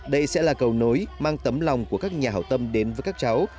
đây sẽ là cầu nối mang tấm lòng của các nhà hảo tâm đến với các cháu